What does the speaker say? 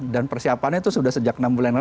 dan persiapannya itu sudah sejak enam bulan lalu